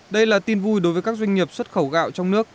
đây là tin vui đối với các doanh nghiệp xuất khẩu gạo trong nước